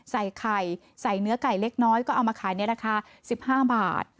ใส่ไข่ใส่เนื้อไก่เล็กน้อยก็เอามาขายในราคา๑๕บาท